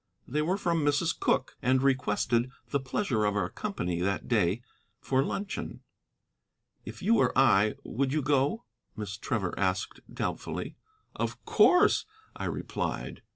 They were from Mrs. Cooke, and requested the pleasure of our company that day for luncheon. "If you were I, would you go?" Miss Trevor asked doubtfully. "Of course," I replied.